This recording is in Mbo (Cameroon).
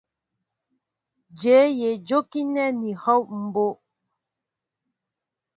Jéé yé jókínέ ní ehɔw mbó.